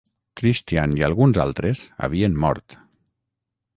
Christian i alguns altres havien mort.